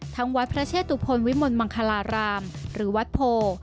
วัดพระเชตุพลวิมลมังคลารามหรือวัดโพ